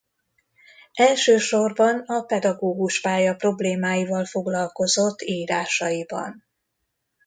Elsősorban a pedagógus pálya problémáival foglalkozott írásaiban.